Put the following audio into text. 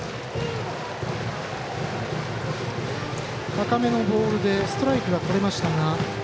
高めのボールでストライクがとれましたが。